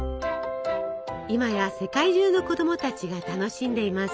今や世界中の子供たちが楽しんでいます。